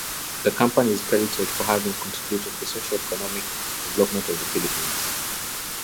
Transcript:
The company is credited for having contributed to the socio-economic development of the Philippines.